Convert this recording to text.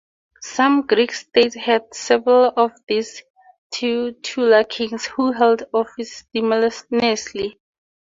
Some Greek states had several of these titular kings, who held office simultaneously.